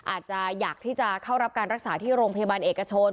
อาจจะอยากที่จะเข้ารับการรักษาที่โรงพยาบาลเอกชน